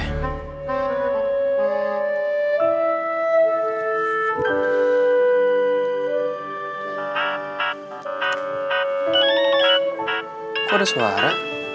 kok ada suara